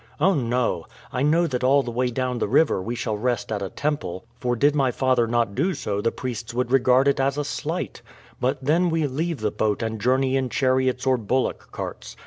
"Oh, no! I know that all the way down the river we shall rest at a temple, for did my father not do so the priests would regard it as a slight; but then we leave the boat and journey in chariots or bullock carts.